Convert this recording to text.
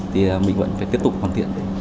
thì mình vẫn phải tiếp tục hoàn thiện